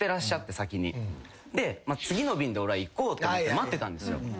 次の便で俺は行こうって思って待ってたんですよ。